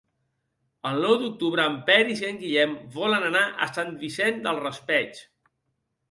El nou d'octubre en Peris i en Guillem volen anar a Sant Vicent del Raspeig.